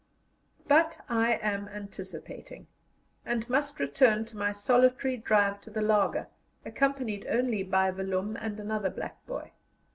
But I am anticipating, and must return to my solitary drive to the laager, accompanied only by Vellum and another black boy.